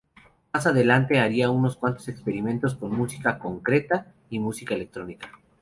Más adelante haría unos cuantos experimentos con música "concreta" y música electrónica.